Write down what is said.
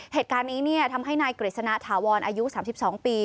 เหตุการณ์นี้ทำให้นายกฤษณะถาวรอายุ๓๒ปี